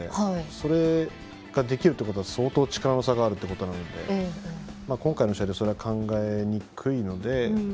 それができるということは相当力の差があるということなので今回の試合ではそれは考えにくいので。